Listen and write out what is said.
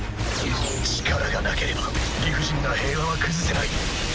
力がなければ理不尽な平和は崩せない。